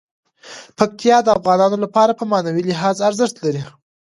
پکتیکا د افغانانو لپاره په معنوي لحاظ ارزښت لري.